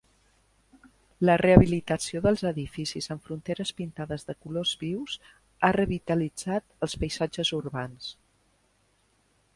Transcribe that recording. La rehabilitació dels edificis, amb fronteres pintades de colors vius, ha revitalitzat els paisatges urbans.